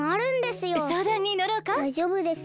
だいじょうぶです。